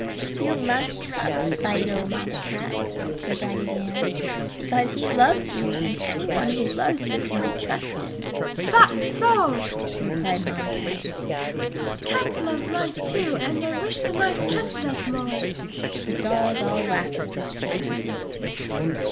"You must trust Fido, Mamma Cat!" said Raggedy Ann, "because he loves you and anyone who loves you can be trusted!" "That's so!" replied Mamma Cat. "Cats love mice, too, and I wish the mice trusted us more!" The dolls all laughed at this joke.